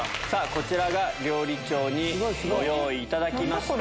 こちらが料理長にご用意いただきました